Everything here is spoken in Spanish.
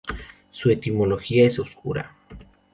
Su etimología es oscura.